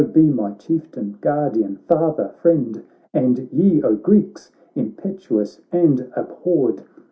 be my Chieftain, Guardian, Father, Friend ! And ye, O Greeks ! impetuous and abhorred.